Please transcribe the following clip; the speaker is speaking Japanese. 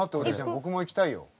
僕も行きたいよ。